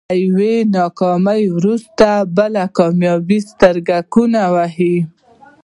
له يوې ناکامي وروسته بله کاميابي سترګکونه وهي.